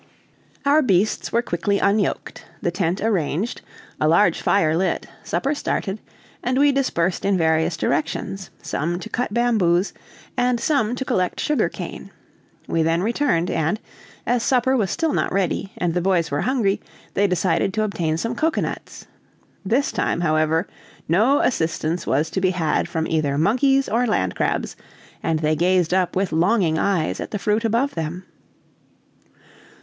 Our beasts were quickly unyoked, the tent arranged, a large fire lit, supper started, and we dispersed in various directions, some to cut bamboos, and some to collect sugar cane. We then returned; and, as supper was still not ready and the boys were hungry, they decided to obtain some cocoanuts. This time, however, no assistance was to be had from either monkeys or land crabs, and they gazed up with longing eyes at the fruit above them.